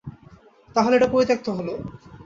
তাহলে এটা পরিত্যাক্ত হল?